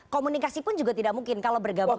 komunikasi pun juga tidak mungkin kalau bergabung